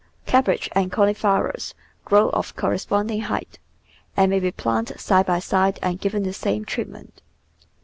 Cabbage and cauliflowers grow of correspond ing height, and may be planted side by side and given the same treatment.